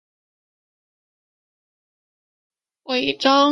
尾张国城主。